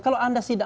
kalau anda sidang